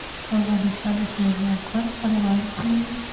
افغانستان د سلیمان غر پلوه اړیکې لري.